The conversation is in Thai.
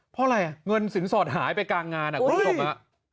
เพราะอะไรอ่ะเงินสินสอดหายไปกลางงานคุณผู้ชมฮะ